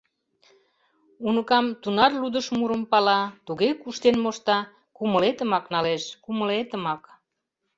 Уныкам тунар лудышмурым пала, туге куштен мошта — кумылетымак налеш, кумылетымак...